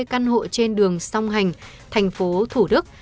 hai căn hộ trên đường song hành thành phố thủ đức